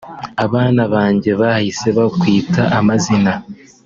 Abana banjye bahise bamwita amazina